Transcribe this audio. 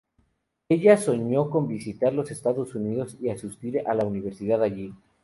Ella soñó con visitar los Estados Unidos y asistir a la Universidad allí.